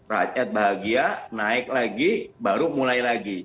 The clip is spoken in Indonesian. rakyat bahagia naik lagi baru mulai lagi